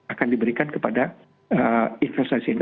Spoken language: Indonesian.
akan diberikan kepada investasi investasi lainnya